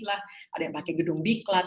ada yang pakai gedung diklat